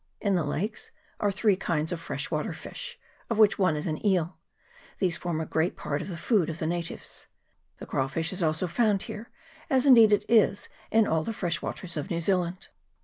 In the lakes are three kinds of fresh water fish, of which one is an eel : these form a great part of the food of the natives. The craw fish is also found here, as indeed it is in all the fresh waters of New Zealand.